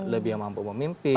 lebih mampu memimpin